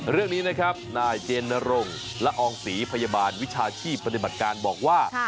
เรื่องนี้นะครับนายเจนนรงละอองศรีพยาบาลวิชาชีพปฏิบัติการบอกว่า